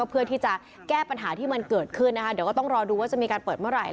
เพื่อที่จะแก้ปัญหาที่มันเกิดขึ้นนะคะเดี๋ยวก็ต้องรอดูว่าจะมีการเปิดเมื่อไหร่